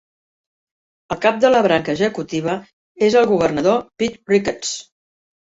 El cap de la branca executiva és el Governador Pete Ricketts.